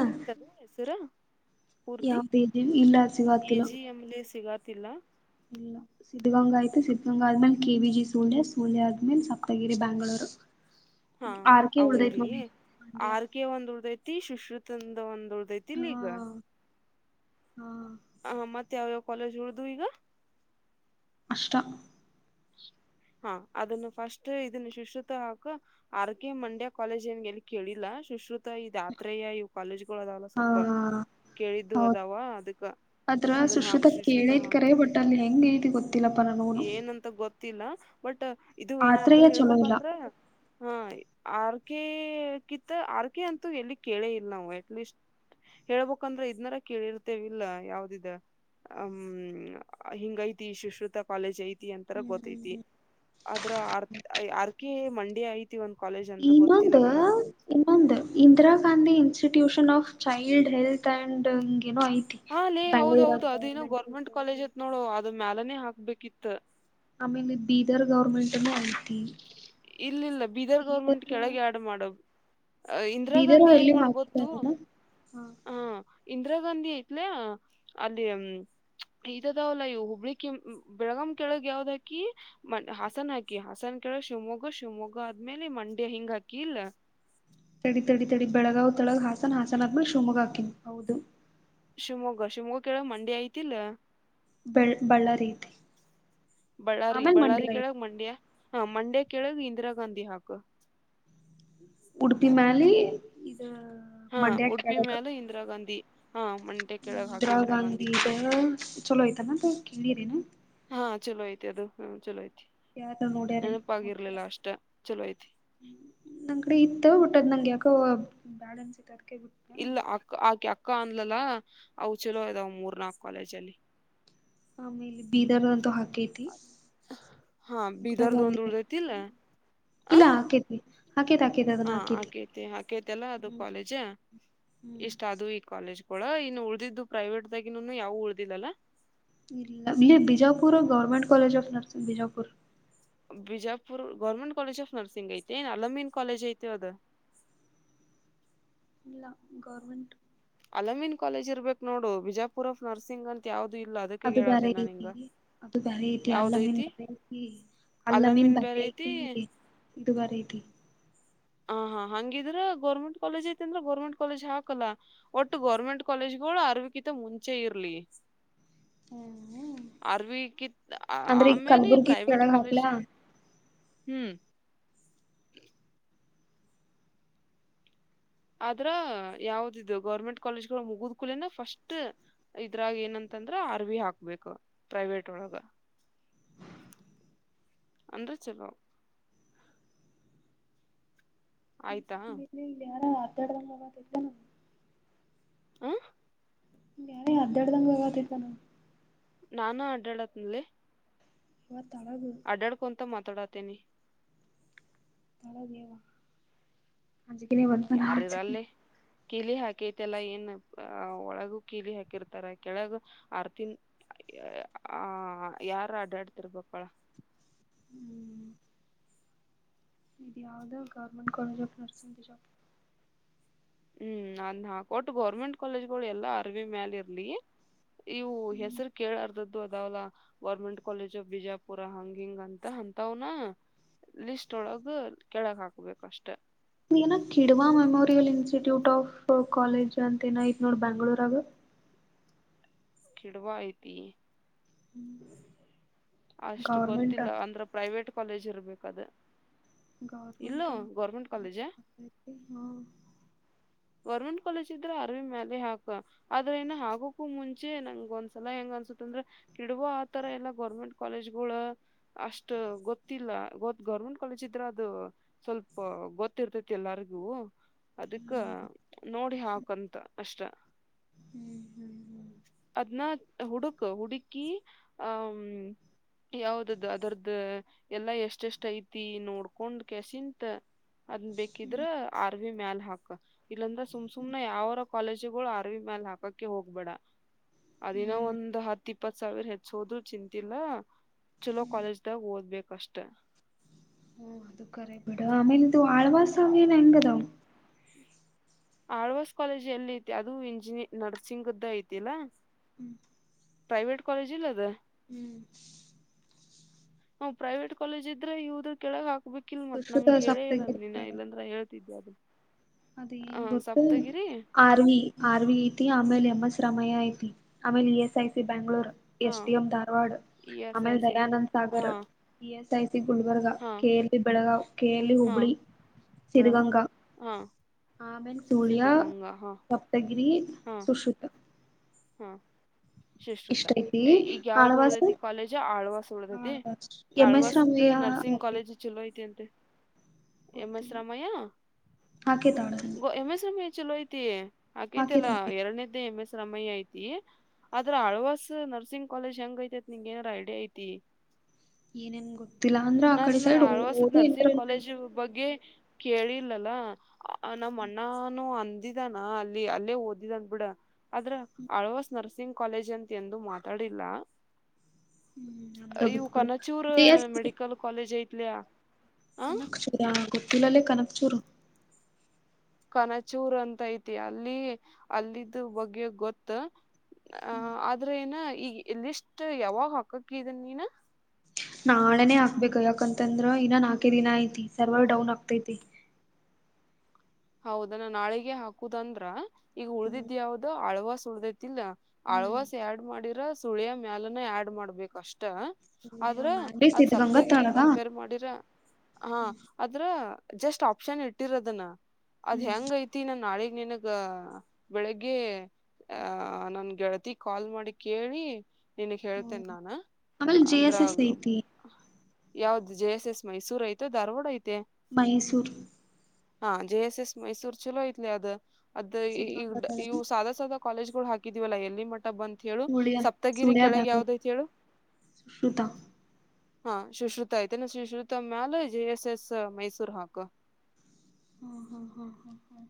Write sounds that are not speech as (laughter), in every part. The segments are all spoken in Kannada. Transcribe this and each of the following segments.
ಸಿಕ್ತದೆ ಹೆಸರ ಪೂರ್ತಿ ಯಾವ್ದ ಇಲ್ಲ ಎ ಸಿಗತಿಲ್ಲ ಜಿ ಎಮಲೆ ಸಿಗಾತಿಲ್ಲ ಇಲ್ಲ ಸಿದ್ಧಗಂಗಾ ಆಯ್ತು ಸಿದ್ಧಗಂಗ ಆದ್ಮೇಲೆ K V G Sullia Sullia ಆದ್ಮೇಲೆ ಸಪ್ತಗಿರಿ ಬೆ್ಯಾಂಗ್ಗಳೂರು ಹಾ ಅವ ಇರ್ಲಿ ನೋಡಿ ಮಂಡ್ಯ ಆರ್ಕ ಒಂದ್ ಉಲದೈತಿ ಶುಶ್ರರುತಂದ ಒಂದ ಉಲದೈತಿ ಇಲ್ಲ ಹಾ ಈಗ ಹಾ ಹ ಮತ್ತೆ ಯಾವಾವ ಕಾಲೇಜ್ ಉಳದವ್ ಈಗ ಅಷ್ಟ ಹ್ಮ ಹಾ ಅದನ್ನು ಫಸ್ಟ್ ಇದನ್ನ ಶುಶ್ರುತ ಹಾಕ ಆರ್ ಕೆ ಮಂಡ್ಯ ಕಾಲೇಜ್ ಏನ್ ಎಲ್ಲಿ ಕೇಳಿಲ್ಲ ಶುಶ್ರುತ ಮ ಇದಆತ್ರಯ ಇವು ಕಾಲೇಜ್ಗಳು ಅದಾವಲ್ಲ ಹಾ ಸ್ವಲ್ಪ ಕೇಳಿದ್ದು ಹೌದು ಅದಾವ ಅದಕ್ಕ ಅದನ್ನ ಹಾಕ್ ಶಿಶುತ ಹೆಂಗಗೆೈಐತಿ ಗೊತ್ತೆ (inaudible) ಏನಂತ ಗೊತ್ತಿಲ್ಲ ಬಟ್ ಇದು ಆತ್ರಯ ಏನಾದ್ರೂ ಚಲೋ ಇಲ್ಲ ಹೇಳ್ಬೇಕಂದ್ರ ಹಾ (inaudible) ಆರ್ ಕೆ ಕಿತ್ತ ಆರ್ ಕೆ ಅಂತೂ ಎಲ್ಲಿ ಕೇಳೇ ಇಲ್ಲ ನಾವು ಅಟ್ಲೀಸ್ಟ್ (inaudible) ಹೇಳ್ಬಂದ್ರೆ ಇದ್ನಾರ ಕೇಳಿರ್ತೇವಿಲ್ಲ ಯಾವ್ದಿದ (inaudible) ಹ್ಮ್ ಹಿಂಗ ಐತಿ ಶುಶ್ರುತ (inaudible) ಕಾಲೇಜ್ ಐತಿ ಅಂತರ ಗೊತ್ತೈತಿ ಆದ್ರರ್ ಆರ್ ಕೆ ಮಂಡೆ ಐತಿಂತ (inaudible) ಇನ್ನೊಂದು ಇನ್ನೊಂದು Indira Gandhi (inaudible) institution of child health and (inaudible) ಹ ಲೇ ಹೌದೌಹೌದು ಅದೇನೋ ಗೌರ್ಮೆಂಟ್ ಕಾಲೇಜ್ ಐತ್ ನೋಡು ಅದ ಮ್ಯಾಲನೆೇ ಹಾಕ್ಬೇಕಿತ್ (inaudible) ಆಮೇಲೆ ಬೀದರ್ ಗೌರ್ಮೆಂಟ್ನ್ನು ಐತಿ (inaudible) ಇಲ್ಲಿಲ್ಲ ಬೀದರ್ ಗೌರ್ಮೆಂಟ್ ಕೆಳಗೆ ಆಡ್ ಮಾಡ (inaudible) ದು ಅ ಇಂದಿರಾ ಬೀದರ್ ಗಾಂಧಿ ಏನ್ ಎಲ್ಲಿ ಮಾಡ ಗೊತ್ತು ಹಾಕ್ತಾರಲ್ಲ ಹಾ ಹ (inaudible) ಇಂದಿರಾ ಗಾಂಧಿ ಐತ್ಲ ಅಲ್ಲಿ ಈದಅದವಲ್ಲ ಹುಬ್ಬಳ್ಳಿ ಕಿ ಬೆಳಗ (inaudible) ಕೆಳಗ್ ಯಾವ್ದ ಹಾಕಿ ಹಸನ ಹಾಕಿ ಹ (inaudible) ಸನ್ ಕೇಳ ಶಿವಮೊಗ್ಗ ಶಿವಮೊಗ್ಗ ಆದ್ಮೇಲೆ ಮಂಡ್ಯ ಹಿಂಗ ಹಾಕಿ ಇಲ್ಲ (inaudible) ತಡಿ ತಡಿ ತಡಿ ಬೆಳಗಾವ್ ತೆಳಗ್ ಹಾಸನ ಹಾಸನ ಅದ ಮೇಲೆ (inaudible) ಶಿವಮೊಗ್ಗಾ ಹಾಕಿನೀ ಹೌದು ಶಿವಮೊಗ್ಗ ಶಿವಮೊಗ್ಗ ಕೆೇಳಗ್ ಮಂಡ್ಯ ಐತಿಲ್ಲ (inaudible) ಬೆಳ್ ಬಳ್ಳ ರೀತಿ (inaudible) ಬಳ್ಳಾರಿ ಬಳ್ಳಾರಿ ಕೆಳಗೆ ಮಂಡ್ಯ (inaudible) ಹಾ ಮಂಡ್ಯ ಕೆಳಗ್ ಇಂದಿರಾ ಗಾಂಧಿ ಹಾಕ (inaudible) ಉಡುಪಿ ಮ್ಯಾಲಿ ಇದು ಹಾ ಮಂಡ್ಯಾ ಉಡುಪಿ ಕೆಳಗ್ (inaudible) ಮ್ಯಾಲ ಇಂದಿರಾ ಗಾಂಧಿ ಹಾ ಮಂಡ್ಯ ಕೆಳಗ್ ಹಾಕಿ ಇಂದಿರಾ ಗಾಂಧಿ ಚಲೋ ಆಯ್ತಾನ ಅ ಕೇಳರೇನ (inaudible) ಹಾ ಚಲೋ ಐತ ಅದು ಹ ಚಲೋ ಆಯು ಯಾರ (inaudible) ನೋಡ್ಯಾರೇನ್ ಹೋಗಿದ್ರ. ನೆನಪಾಗಿರ್ಲಿಲ್ಲ ಅಷ್ಟ ಚಲೋ ಅಯ್ತಿ ನಂಗ ಕಡೆ ಇತ್ತ ಒಟ್ಟದ್ ನಂಗೆ ಯಾಕೋ ಬೇಡಾ ಅನಸೈತಿ ಇಟ್ಟ ಇಲ್ಲ ಅಕ್ಕ ಆಕೆ ಅಕ್ಕ ಅಂದ್ಲಲ್ಲ ಅವು ಚಲೋ ಇದದಾವ ಮೂರ್ ನಾಕ್ ಕಾಲೇಜ ಅಲ್ಲಿ (inaudible) ಆಮೇಲೆ ಬೀದರ್ದಂತೂ ಹಾಕೈತಿ ಹಾ ಬೀದರ್ದ ಒಂದ್ ಉಳ್ದೈತಿಲ್ಲ (inaudible) ಆ ಇಲ್ಲ ಕೇತವಿ (inaudible) ಹಾ ಆಕೇತಿ ಆಕೈತಿ ಅಲ್ಲ ಅದು ಹ್ಮ್ ಕಾಲೇಜ ಹ್ಮ್ ಇಷ್ಟ ಅದು ಈ ಕಾಲೇಜ್ (inaudible) ಳ ಇನ್ನು ಉಳ್ದಿದ್ದು ಪ್ರೈವೇಟ್ಗಿನು ಯಾವು ಉಳ್ದಿಲ್ಲಲ್ಲಾ ಇಲ್ಲ ಇಲ್ಲಿ Bijapur government college of ನರ್ಸ Bijapur Bijapur government college of nursing ಐತೆ ಏನ್ ಅಲಮೀನ್ ಕಾಲೇಜ್ ಐತೆ ಅದು (inaudible) (unintelligible) ಇಲ್ಲ ಗೌರ್ಮೆಂಟ್ (inaudible) ಅಲಮೀನ್ ಕಾಲೇಜ್ ಇರ್ಬೇಕು ನೋಡು ಬಿಜಾಪುರ್ ಆಫ ನರ್ಸಿಂಗ್ ಅಂತ ಯಾವ್ದ (inaudible) ಅದು ಬೇರೆ ಐತಿ ಅದು ಬೇರೆ ಐತಿ ಅಲ್ಲ ಯಾವ್ದ ಮೇನ್ ಐತಿ ಬರೆ ಐತಿ (inaudible) ಅಲ್ಲ ಮೀನ್ ಅಲಮೀನ್ ಬಗ್ ಬೇರೆ ಐತಿ ಇದು ಬರ ಐತಿ (inaudible) ಹ ಹಾ ಹಂಗಿದ್ರೆ ಗೌರ್ಮೆಂಟ್ ಕಾಲೇಜ್ ಐತೆ ಅಂದ್ರ (inaudible) ಗರ್ಮೆಂಟ್ ಕಾಲೇಜ್ ಹಾಕಲ್ಲ ಒಟ್ಟು ಗೌರ್ಮೆಂಟ್ ಕಾಲೇಜ್ ಇಗಳು ಅರವಿಕಂತ ಮುಂಚೆ ಇರ್ಲಿ (inaudible) ಹ ಅರ್ವಿಕಿತ್ ಅಂದ್ರೆ ಈಗ ಆಮೇಲೆ ಕಲ್ಬುರ್ಗಿ ಪ್ರೈವೇಟ್ ಕೆಳಗ ಕಾಲೇಜ್ ಹಾಕ್ಲಾ (inaudible) ಹ್ಮ್ (inaudible) ಆದ್ರ ಯಾವ್ದದು ಗೌರ್ಮೆಂಟ್ ಕಾಲೇಜ್ ಗಳು ಮುಗುದ್ಕೂಲನ ಫಸ್ಟ್ ಇದ್ರಾಗ ಏನಂತ (inaudible) ಂದ್ರ ಆರ್ವಿ ಹಾಕ್ಬೇಕು ಪ್ರೈವೇಟ್ ಒಳಗ (inaudible) ಅಂದ ಸೆವವು (inaudible) ಆಯ್ತಾ (inaudible) ದಡ್ರಂಗಾವಾದ ಇ ನ (inaudible) ಆ (inaudible) ಅದ ಅಡ್ದ್ ಗವತತಾನ (inaudible) ನಾನು ಆಡ್ಡಾಳತ್ನಲ್ಲಿ (inaudible) ಇವ ತಳಗ ಅಡ್ಡಾಡ್ಕೊಂತ ಮಾತಾಡತನೆ (inaudible) ಹೌದೇ ಯೆವ್ವ ಅಂಜಿಕಿನೇ ಬಂತು ನನಗ ಒಂದು ಸರತಿ ಯಾರಿರಲ್ಲೇ (unintelligible) ಕೀಲಿ ಹಾಕತೆಲ್ಲಾ ಏನ್ ಅ ಒಳಗು ಕೀಲಿ ಹಾಕಿರ್ತಾರ ಕೆಳಗ ಆರ್ತಿನ್ ಆ ಯಾರ ಅಡ್ಯಾಡ್ತಿರ್ಬೇಕಳ ಹ್ಮ್ ಇದು ಯಾವವುದೋ government college of nursing job ಹ್ಮ್ ಅದ್ ಹಾಕೊಟ್ಟು ಗೌರ್ಮೆಂಟ್ ಕಾಲೇಜ್ಗಳು ಎಲ್ಲಾ ಅರವಿ ಮ್ಯಾಲ ಇರ್ಲಿ ಇವು ಹೆಸರು ಕೇಳಾರ್ದದ್ದು ಅದಾವಲ್ಲಾ ಗೋರ್ಮೆಂಟ್ ಕಾಲೇಜ್ ಆಫ್ ಬಿಜಾಪುರ ಹಂಗ ಹಿಂಗ ಅಂತ ಅಂತಾವನ ಲಿಸ್ಟ ಒಳಗ ಕೆಳಗ ಹಾಕ್ಬೇಕ ಅಷ್ಟೆ ಏನ Kidwai memorial institute of college ಅಂತ ಏನಾಯತ್ ನೋಡ ಬೆಂಗಳೂರಗ ಕಿಡವಾ ಐತಿ ಹ್ಮ್ ಅಷ್ಟು ಗೊತ್ತಿಲ್ಲ ಅಂದ್ರೆ ಪ್ರೈವೇಟ್ ಕಾಲೇಜ್ ಇರ್ಬೇಕದು ಗೌರ್ಮೆಂಟ್ ಅಂತತಿ ಹಾ ಗೌರ್ಮೆಂಟ್ ಕಾಲೇಜ್ ಇದ್ರೆ ಅರ್ವಿ ಮ್ಯಾಲ ಹಾಕ ಆದ್ರ ಇನ್ನ ಆಗಕೂ ಮುಂಚೆ ನಂಗ್ ಒಂದ್ಸಲ ಹೆಂಗ ಅನ್ಸ ಅಂದ್ರೆ ಕಿಡುವ ಆತರ ಎಲ್ಲಾ ಗೌರ್ಮೆಂಟ್ ಕಾಲೇಜ್ಗಳು ಅಷ್ಟ ಗೊತ್ತಿಲ್ಲ ಗೊ ಗೌರ್ಮೆಂಟ್ ಕಾಲೇಜ್ ಇದ್ರೆ ಅದು ಸ್ವಲ್ಪ ಗೊತ್ತಿರ್ತೈತಿ ಎಲ್ಲಾರಿಗೂ ಅದಕ್ಕ ನೋಡಿ ಹಾಕಂತ ಅಷ್ಟ ಹ್ಮ್ ಹ್ಮ್ ಅದ್ನ ಹುಡುಕ ಹುಡುಕಿ ಹ ಯಾವ್ದ್ ಅದು ಅದರ್ದು ಎಲ್ಲಾ ಎಷ್ಟ ಎಷ್ಟ ಐತಿ ನೋಡ್ಕೊಂಡ್ ಕೆಸಿಂತ ಅದ್ ಬೇಕಿದ್ರ ಅರ್ವಿ ಮ್ಯಾಲ ಹಾಕಕ್ ಇಲ್ಲಾಂದ್ರೆ ಸುಮ್ ಸುಮ್ ಯಾವಾರ ಕಾಲೇಜಿಗಳು ಅರ್ವಿ ಮ್ಯಾಲ ಹಾಕಕ್ಕೆ ಹೋಗ್ಬೇಡ ಅದಿನ ಹ್ಮ್ ಒಂದ್ ಹತ್ ಇಪ್ಪತ್ ಸಾವಿರ ಹೆಚ್ಚ ಹೋದ್ರು ಚಿಂತಿಲ್ಲ ಚಲೋ ಕಾಲೇಜ್ದಾಗ ಓದ್ಬೇಕಷ್ಟೆ ಹಓ ಅದು ಕರ ಬಿಡ ಆಮೇಲೆ ಇದು ಆಳ್ವಾಸ ಅವ ಏನ್ ಹೆಂಗದಾವ ಆಳ್ವಾಸ್ ಕಾಲೇಜ್ ಎಲ್ಲಿ ಐತಿ ಅದು ಇಂಜಿನಿಯ ನರ್ಸಿಂಗ್ ಐತಿ ಇಲ್ಲ ಹ್ಮ್ ಪ್ರೈವಟ್ ಕಾಲಜ ಇಲ್ಲ ಅದು ಹ್ಮ್ ನ ಪ್ರೈವೇಟ್ ಕಾಲೇಜ್ ಇದ್ರೆ ಇವ್ರು ಕೆಳಗ ಹಾಕ್ಬೇಕಿಲ್ ಮತ್ ನಂಗ ಸುಶ್ರುತ ಹೇಳೇ ಇಲ್ಲಲ್ ಸಪ್ತಗಿರಿ ನೀ ಕಡೆ ಇಲ್ಲಾಂದ್ರ ಹೇಳ್ತಿದ್ದೆ ತಿ ಅದು ಅದ ಏನ್ ಹ ಗೊತ್ತು ಸಪ್ ತಗಿರಿ ಆರ್ವಿ ಆರ್ವಿ ಐತಿ ಆಮೇಲೆ ಅಮ್ಮ ಸಮಯ ಐತಿ ಆಮೇಲೆ E S I C Bangalore ಹಾ S ಟಡಿ M Dharwad E S I ಆಮೇಲೆ ಸಿ ದಯಾನಂದ್ ಸಾಗರ್ ಹಾ E S I C Gulbarga ಹಾ ಕೆ ಎಲ್ ಬಿ ಬೆಳಗಾವ್ ಕೇಲಿ ಹಾ ಹುಬ್ಳಿ ಬೆಳಗಾವ್ ಸರಿಗಂಗಾ ಹಾ ಆಮೇಲಿ ಸೂಳ್ಯ ಸಿದ್ಧಗಂಗಾ ಹಾ ಹಾ ಸಪ್ತಗಿರಿಸುಶ್ರುತ ಹಾ ಶಿಷ್ತ ಇಷ್ಟ ಐತಿ ಈಗ ಯಾವ್ದ್ ಆಳ್ವಾಸ್ ಉಳದೈತಿ ಕಾಲೇಜ್ ಆಳ್ವಾಸ ಉಳ್ದೈತಿ ಎಂ ಎಸ್ ರಾಮಯ್ಯ ಆಳ್ವಾಸದ್ದ ಸಿಂಗ್ ಹಾಕಿದ ಕಾಲೇಜು ಚಲೋ ಐ ಅಂತೆ ಎಮ ಎಸ್ ಗೊತ್ತಿಲ್ಲ ರಾಮಯ ಹಾಕೇತ್ ಆಳ್ವಾಸ್ ಗ ಎಮ ಎಸ್ ರಾಮಯ್ಯ ಚಲೋ ಐತಿ ಹಾಕೇತ್ ಆಕೈತಲ್ಲಾ ಹಾಕೇತ್ ಎರಡನದ್ದೇ ಎಂ ಎಸ್ ರಾಮಯ್ಯ ಐತಿ ಆದ್ರ ಅಳ್ವಸ್ ನರ್ಸಿಂಗ್ ಕಾಲೇಜ್ ಹೆಂಗ ಐತೆತ್ ನಿನ್ಂಗ ಏನಾರ ಐಡಿಯಾ ಐತಿ ಏನೇನ್ ಗೊತ್ತಿಲ್ಲ ಅಂದ್ರ ಆ ಕಡೆ ನಾನು ಸೈಡ್ ಅಳ್ವಾಸದ ಓದು ನರ್ಸಿಂಗ್ ಎನ್ವಿರಾನ್ಮೆಂಟ್ ಕಾಲೇಜು ಬಗ್ಗೆ ಕೇಳಿಲ್ಲ ಅಲಾ ನಮ್ಮ ಅಣ್ಣಾನೂ ಅಂದಿದಾನ ಅಲ್ಲಿ ಅಲ್ಲೇ ಓದಿದಂದ ಬಿಡ ಆದ್ರ ಆಳ್ವಸ್ ನರ್ಸಿಂಗ್ ಕಾಲೇಜ್ ಅಂತ ಎಂದು ಮಾತಾಡಿಲ್ಲ ಹ್ಮ್ ಅಂದ್ರ ಇವು ಬಿಟ್ಬಿಡು ಕನಚೂರ್ ಎಸ್ ಮೆಡಿಕಲ್ ಕಾಲೇಜ್ ಐತ್ಲಯಾ ಕನಕ್ಚೂರ ಗೊತ್ತಲಲ್ಲೇ ಕನಕ್ ಚೂರು ಕನಚೂರ್ ಅಂತ ಐತಿ ಅಲ್ಲಿ ಅಲ್ಲಿದ್ದ ಬಗ್ಗೆ ಗೊತ್ತ ಅ ಹ್ಮ್ ಆದ್ರ ಏನ ಈಗ ಲಿಸ್ಟ್ ಯಾವಾಗ ಹಾಕಕ್ಕಿದನ್ ನೀನ ನಾಳನೇ ಹಾಕ್ಬೇಕ ಯಾಕಂತಂದ್ರ ಇನ್ನ ನಾಲ್ಕೆ ದಿನ ಐತಿ ಸರ್ವರ್ ಡೌನ್ ಆಗ್ತೈತಿ ಹೌದ ನ ನಾಳಿಗೆ ಹಾಕುದಂದ್ರ ಈಗ ಹ್ಮ್ ಉಳ್ದಿದ ಯಾವವು್ದ ಅಳ್ವಸ್ ಉಳ್ದಿದ ಲ್ಲ ಹ್ಮ್ ಅಳವಾಸ ಆ್ಯಡ್ ಮಾಡಿರ ಸುಳಿಯ ಮ್ಯಾಲನ ಆಡ್ ಮಾಡ್ಬೇಕಷ್ಟೆ ಸುಳ್ಯ ಆದ್ರ ಮ್ಯಾಲಿ ಅದ್ ಸಿದ್ಧಗಂಗಾ ಸಪ್ತಗಿರಿ ತಾಳಗ ಕಂಪೇರ್ ಮಾಡಿರ ಹಾ ಅದ್ರ ಜಸ್ಟ್ ಆಪ್ಷನ್ ಇಟ್ಟಿರೋದನ ಅದ್ ಹ್ಮ್ ಹೆಂಗ ಐತಿ ನಾ ನಾಳೆ ನಿನಗ ಬೆಳಿಗ್ಗೆ ಆಹ ನನ್ ಗೆಳತಿ ಕಾಲ್ ಮಾಡಿ ಕೇಳಿ ನಿನ್ಗ್ ಹ್ಮ್ ಹೇಳ್ತೇನ್ ನಾನ ಆಮೇಲೆ ಜೆ ಅಂದ್ರ ಎಸ್ ಎಸ್ ಐತಿ ಯಾವ್ದ ಜೆ ಎಸ್ ಎಸ್ ಮೈಸೂರ್ ಐತೆ ಧಾರವಾಡ ಐತೆ ಮೈಸೂರು ಹಾ ಜೆ ಎಸ್ ಎಸ್ ಮೈಸೂರ್ ಚಲೋ ಐತ್ಲಿ ಅದು ಅದ ಈ ಸಿದ್ಧಗಂಗಾ ಇವು ತಾಳಗ ಸಾಾದಾ ಸಾಾದ ಕಾಲೇಜ್ಗಳು ಹಕಿದಿವವಲ್ಲ ಎಲ್ಲಿ ಬಂತತ್ ಹೇಳು ಸುಳ್ಯ ಸಪ್ತಗಿರಿ ಸುಳ್ಯ ಕೆಳಗೆ ಬ್ಯಾಂಗ್ಳೂರ್ ಯಾವ್ದೈತ್ ಹೇಳು ಸುಶ್ರುತಾ ಹಾ ಶುಶ್ರುತ ಐ್ತೆನೆ ಸುಶ್ರುತ ಮ್ಯಾಲ ಜೆ ಎಸ್ ಎಸ್ ಮೈಸೂರ್ ಹಾಕು ಹ್ಮ್ ಹ್ಮ್ ಹ್ಮ್ ಹ್ಮ್ ಹ್ಮ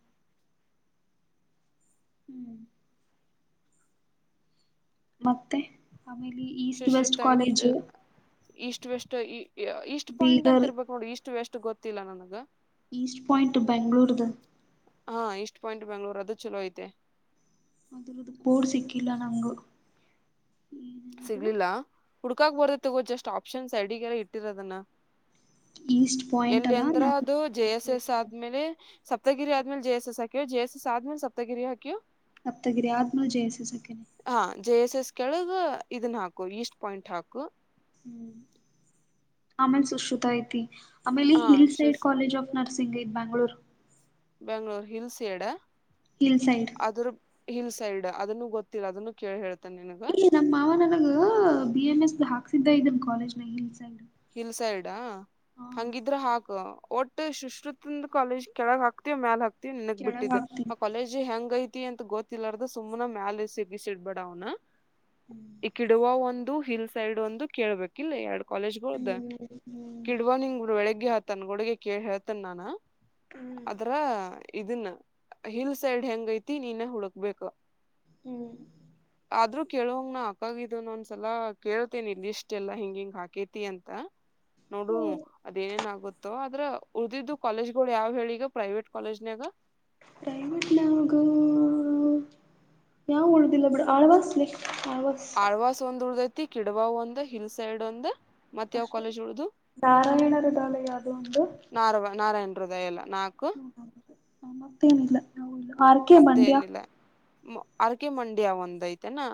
ಹ್ಮ್ ಮತ್ತೆ ಆಮೇಲೆ ಈಸ್ಟ್ ವೆಸ್ಟ್ ಕಾಲೇಜು ಇಷ್ಟು ವೆಷ್ಟಟ್ ಇಷ್ಟ್ ಪಾಯಿಂಟ್ ಅಂತ ಬೀದರ್ ಇರ್ಬೇಕಕ್ ನೋಡಿ ಇಷ್ಟು ವೆಷ್ಟಟ್ ಗೊತ್ತಿಲ್ಲ ನನಗ ಈಸ್ಟ್ ಪಾಯಿಂಟ್ ಬೆಂಗ್ಳೂರು ಇದು ಹಾ ಇಷ್ಟು ಪಾಯಿಂಟ್ ಬೆಂಗ್ಳೂರ್ ಅದು ಚಲೋ ಐತೆ ಅದ್ರದ ಬೋಡ್ ಸಿಕ್ಕಿಲ್ಲ ನಂಗು ಏನದು ಸಿಗ್ಲಿಲ್ಲ ಹುಡ್ಕಾಕ್ ಬರದ ತಗೋ ಜಸ್ಟ್ ಆಪ್ಷನ್ಸ್ ಐಡಿಗೆಲ್ಲ ಇಟ್ಟಿರೋದನ್ನ ಈಸ್ಟ್ ಪಾಯಿಂಟ್ ಎಲ್ಲಿ ಅಲ್ಲ ಅಂದ್ರ ನಾನು ಅದು ಜೆ ಎಸ್ ಎಸ್ ಆದ್ಮೇಲೆ ಸಪ್ತಗಿರಿ ಆದ್ಮಲೆ ಜ ಎಸ್ ಹಾಕು ಜೆಸ್ ಎಸ್ ಆದೇಲೆ ಸಪ್ತಗಿರಿ ಹಾಿು ಹತಗಿರಿ ಯತ್ ನ ಜಯಸ ಸಕನೆ ಹಾ ಜೆ ಎಸ್ ಎಸ್ ಕೆಳಗ ಇದನ್ ಹಾಕು ಈಸ್ಟ್ ಪಾಯಿಂಟ್ ಹಾಕು ಹ್ಮ ಅಮೇಲ್ ಸುಶ್ರುತ ಐತಿ. ಆಮೇಲೆ ಹಾ ಹಿಲ್ ಸೈಡ್ ಶಶ್ ಕಾಲೇಜ್ ಆಫ್ ನರ್ಸಿಂಗ್ ಇದ್ ಬ್ಯಾಂಗ್ಳೂರು ಬೆಂಗ್ಳೂರು ಹಿಲ್ಸ್ ಎಡ. ಹಿಲ್ ಸೈಡ್ ಹಿಲ್ ಸೈಡ್ ಅದನ್ನು ಗೊತ್ತಿಲ್ಲ ಅದನ್ನು ಕೇಳಿ ಹೇಳ್ ನಮ್ಮ ಮಾವ ನನಗ ಬಿ ಎಂನ್ ಎಸ್ ಹಾಕ್ಸಿದ್ದ ಇದ ನಮ್ ಕಾಲೇಜ್ ನಲ್ಲಿ. ಹಿಲ್ ಸೈಡಾ ಹಂಗಿದ್ರ ಹಾಕು. ಒಟ್ಟು ಶುಶ್ರುತಿಂದ ಕಾಲೇಜ್ ಕೆಳಗ್ ಹಾಕ್ತ್ಯ ಮ್ಯಾಲ ಹಾಕ್ತ್ಯ ನನ್ಗ್ ಕೆಳಗ ಬಿಟ್ಟಿದ್ದೆ ಹಾಕ್ತೀನಿ ಆ ಕಾಲೇಜ್ ಹೆಂಗ ಐ ಐತಿ ಅಂತ ಗೊತ್ತಿಲ್ಲಾರ್ದ ಸುಮ್ನ ಮ್ಯಾಲಿ ಸಿ ಬಿ ಸಿ ಇಡ್ಬೇಡ ಅವ್ನ (unintelligible) ದು ಹಿಲ್ ಸೈಡ್ ಅಂದು ಕೇಳ್ಬೇಕ ಇಲ್ಲ ಎರಡು ಕಾಲೇಜ್ಗಲ್ದ ಕಿಡುವ ನಿಂಗ ಬೆಳಗ್ಗೆ ಹ ತನ್ ಗುಡುಗೆ ಕೇ ಹೇಳ್ತೇನ್ ನಾನ ಅದ್ರ ಇದನ್ನ. ಹಿಲ್ ಸೈಡ್ ಹೆಂಗೈತಿ ನೀನ ಹುಡುಕ್ಬೇಕ ಹ್ಮ್ ಆದ್ರೂ ಕೇಳಂಗ ನ ಅಕ್ಕಗಿದನ ಒಂದ್ಸಲ ಕೇಳ್ತೆೇನೆ ಇಲ್ ಲಿಷ್ಟೆಲ್ಲಾ ಹಿಂಗ ಹಿಂಗ್ ಹಾಕೈತಿ ಅಂತ. ನೋಡು ಅದೇನೇನ್ ಆಗುತ್ ಆದ್ರ ಉಳ್ದಿದ್ದು ಕಾಲೇಜ್ ಗಳು ಯಾವ್ ಹೇಳಿ ಈಗ ಪ್ರೈವೇಟ್ ಕಾಲೇಜ್ನಾಗ. ಪ್ರೈವಟ್ಯಾಗ ಯಾವ ಉಳುದಿಲ್ಲ ಬಿಡ ಆಳ್ವಾಸ್ಲಿ. ಆಳ್ವಾಸ್ ಒಂದ್ ಉಲ್ದೈತಿ ಕಿಡಬಾವ್ ಒಂದ್ ಹಿಲ್ ಸೈಡ್ ಒಂದ್ ಮತ್ತ ಯಾವ ಕಾಲೇಜ್ ಉಳ್ವದು ನಾರಾಯಣರ ದಾಳ ಯಾವುದೋ ಒಂದು ನಾರವ ನಾರಾಯಣ ಹೃದಯ ಎಲ್ಲ ನಾಕು ನಮತೇನ ಇಲ್ಲ ನಾವು ಇಲ್ಲ ಆರ್ ಕೆ ಮತ್ತೆ ಮಂಡ್ಯ. ಏನಿಲ್ಲ ಅರ್ಕೆ ಮಂಡ್ಯ ಒಂದ್ ಐತೆನಾ.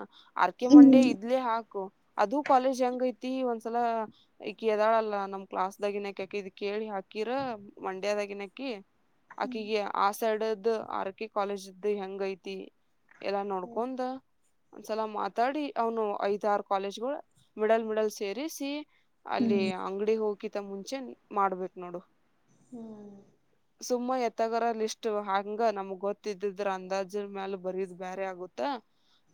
ಆರ್ಕ ಮಂಡೆ ಹ್ಮ್ ಇದ್ಲೇ ಹಾಕು ಅದು ಕಾಲೇಜ್ ಹೆಂಗ ಐ ತಿ ಒಂದ್ಸಲ ಈಕಿ ಎದಾಳಲ್ಲ ನಮ್ ಕ್ಲಾಸ್ ದಾಗಿನಕ ಇದ ಕೇಳಿ ಹಾಕಿರ ಮಂಡ್ಯ (unintelligible) ಆಕಿ ಆ ಸೈಡ್ದ್ ಆರ್ಕಿ ಕಾಲೇಜದ್ ಹೆಂಗ ಐತಿ ಎಲ್ಲಾ ನೋಡ್ಕೊಂದ್ ಒಂದ್ಸಲ ಮಾತಾಡಿ ಅವನು ಐದ ಆರ್ ಕಾಲೇಜ್ ಮಿಡಲ್ ಮಿಡಲ್ ಸೇರಿಸಿ. ಅಲ್ಲಿ ಹ್ಮ್ ಅಂಗಡಿ ಹೊಕಿತ ಮುಂಚೆ ಮಾಡ್ಬೇಕ್ ನೋಡು. ಹ್ಮ್ ಸುಮ್ಮ ಎತ್ತಗರ ಲ ಇಷ್ಟು ಹಂಗ ನಮ್ಗ್ ಗೊತ್ ತ್ತಿದ್ದಿದ್ರ ಅಂದಾಜಿನ ಮ್ಯಾಲ ಬರಿದ್ ಬೇರೆ ಆಗುತ್ತಾ.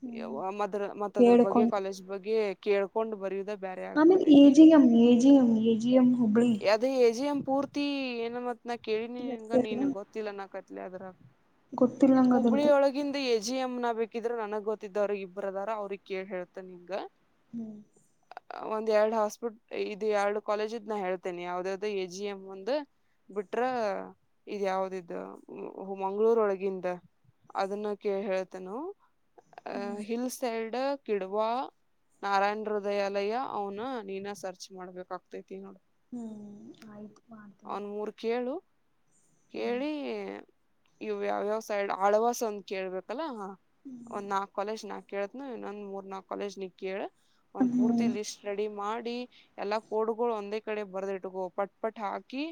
ಹ್ಮ್ ಯವ್ವ ಮತ್ ಮತ್ತದ್ರ ಬಗ್ಗೆ ಕೇಳ್ಕೊಂಡು ಕಾಲೇಜ್ ಬಗ್ಗೆ ಕೇಳ್ಕೊಂಡ್ ಬರಿಯೋದ್ ಆ ಮೀನ್ ಈಏಜಿಯಂ ಏಜಿಯಂ ಈಏಜಿಯಂ ಹುಬ್ಳಿ. ಅದೇ ಎ ಜಿ ಎಂ ಪೂರ್ತಿ ಏನಮ್ಮತ್ ನ ಕೇಳಿನಿಂಗ ಹೆಸರ್ನ ನೀನ್ ಗೊತ್ತಿಲ್ಲ ನಾ ಕತ್ಲಿ ಅದ್ರಾ ಗೊತ್ತಿಲ್ಲ ನಂಗ್ ಹುಬ್ಳಿ ಅದ್ರದ್ದು ಒಳಗಿಂದಿ ಜಿ ಎಮ್ನ ಬೇಕಿದ್ರೆ ನನಗ್ ಗೊತ್ತಿದ್ದವ್ರಗ್ ಇಬ್ರಿದರ ಅವ್ರಿಗ್ ಕೇಳ್ ಹೇಳ್ತಿನ್ ನಿಂಗ ಹ್ಮ್ ಒಂದ್ ಎರಡ್ ಹಾಸ್ಪಿಟ್ ಇದು ಎರಡ್ ಕಾಲೇಜ ಇದ್ ನ ಹೇಳ್ತೇನೆ ಯಾವ್ದ್ ದ್ ಎ ಜಿ ಎಂ ಒಂದು ಬಿಟ್ರ ಇದ ಯಾವ್ದಿದ್ದ ಮಂಗ್ಳೂರೊಳಗೆ. ಅದನ್ನ ಕೇಳ್ ಹೇಳ್ತಿನು ಅ ಹ್ಮ್ ಹಿಲ್ ಸೈಡ್. ಕಿಡವಾ ನಾರಾಯಣ ಹೃದಯಾಲಯ ಅವ್ನ ನೀನ ಸರ್ಚ್ ಮಾಡ್ಬೇಕಾಗ್ತೈತಿ. ಹ್ಮ್ ಆಯ್ತು ಮಾಡ್ತೀನಿ ಅವನ್ ಮೂರ್ ಕೇಳು. ಹ್ಮ್ ಕೇಳಿ ಇವ ಯಾವಯವ ಸೈಡ್ ಆಳವಾಸ ಅಂತ ಕೇಳ್ಬೇಕಲ್ಲಾ ಒಂದು ನಾಕ್ ಕಾಲೇಜ್ ಕೇಳ್ದ್ನ ಎನ್ ಮೂರ್ ನಾ ಕಾಲೇಜ್ ನಿ ಕೇಳ ಒಂದ್ ಪೂರ್ತಿ ಹ್ಮ್ ಲಿಸ್ಟ್ ರೆಡಿ ಮಾಡಿ ಎಲ್ಲಾ ಫೋ (unintelligible) ಒಂದೇ ಕಡೆ ಬರ್ದ ಇಟ್ಕೋ ಪಟ್ ಪಟ್ ಹಾಕಿ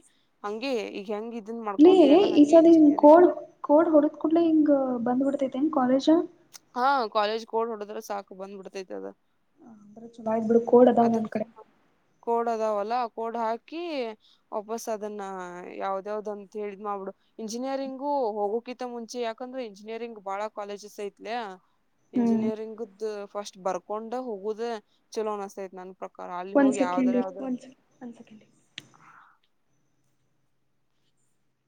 ಹಂಗೆ ಹೆಂಗ್ ಇದನ್ ಇಲ್ಲಿ ಮಾಡ್ಕೊಂಡಿ ಅಲ್ಲ ಈ ಹಂಗೆ ಸಾರಿಂಗ ಇಂಜಿನಿಯರಿಂಗ್ ಕೋಡ್ ಕೋಡ್ ಹೊಡೆದ್ ಕೂಡ್ಲೆ ಹಿಂಗ ಬಂದ್ ಹೊಡುದ್ ಕೂಡ್ಲೆ ಕಾಲೇಜ. ಹಾ ಕಾಲೇಜ್ ಕೋಡ್ ಹೊಡದ್ರ ಸಾಕ್ ಬಂದ್ ಬಂಡ್ಬಿಥೈತ್ ಅದ ಹ ಅಂದ್ರೆ ಚಲೋಗಬಿಡು ಕೋಡ್ ಅದಾವ್ ಒಂದ ಅದಕ್ಕ ಕಡೆ. ಕೋಡ್ ಅದಾವಲ್ಲ ಕೋಡ್ ಹಾಕಿ ವಾಪಸ್ ಅದನ್ನ ಯಾವ್ದ ಯಾವ್ದ ಅಂತ ಹೇಳ್ ಮಾಡ್ಬಿಡು ಇಂಜಿನಿಯರಿಂಗು ಹೋಗೋಕಿತ ಮುಂಚೆ ಯಾಕಂದ್ರೆ ಇಂಜಿನಿಯರಿಂಗ್ ಬಾಳ ಕಾಲೇಜಸ್ ಐತ್ಲ ಹ್ಮ್ ಇಂಜಿನಿಯರಿಂಗದ ಫಸ್ಟ್ ಬರ್ಕೊಂಡ ಹೋಗುದ ಚಲೋ ಅನಸ್ತತ್ ನನ್ ಪ್ರಕಾರ ಅಲ್ಲಿ ಒಂದ್ ಹೋಗಿ ಸೆಕೆಂಡ್ ಯಾವ್ದ್ರ ಯಾವ್ದ್ರ ಒಂದ್ ಸೆಕೆಂಡ್ ಒಂದ್ ಸೆಕೆಂಡ್